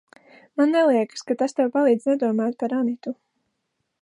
Man neliekas, ka tas tev palīdz nedomāt par Anitu.